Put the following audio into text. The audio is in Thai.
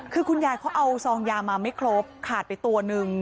คือคุณยายเขาเอาซองยามาไม่ครบขาดไปตัวนึง